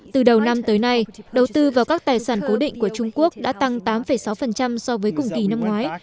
từ đầu năm tới nay đầu tư vào các tài sản cố định của trung quốc đã tăng tám sáu so với cùng kỳ năm ngoái